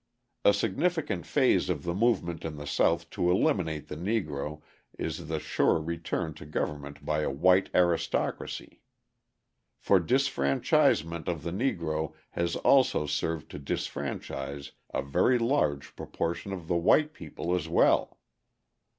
A significant phase of the movement in the South to eliminate the Negro is the sure return to government by a white aristocracy. For disfranchisement of the Negro has also served to disfranchise a very large proportion of the white people as well.